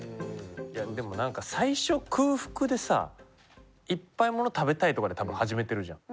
でもなんか最初空腹でさいっぱいもの食べたいとかで多分始めてるじゃん。